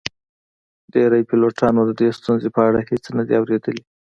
ډیری پیلوټانو د دې ستونزو په اړه هیڅ نه دي اوریدلي